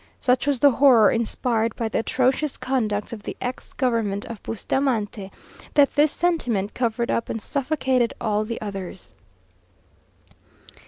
Such was the horror inspired by the atrocious conduct of the ex government of Bustamante, that this sentiment covered up and suffocated all the others.